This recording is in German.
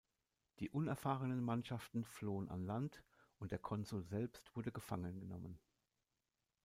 Die unerfahrenen Mannschaften flohen an Land und der Konsul selbst wurde gefangen genommen.